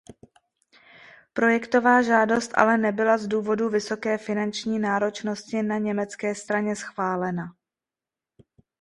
Projektová žádost ale nebyla z důvodu vysoké finanční náročnosti na německé straně schválena.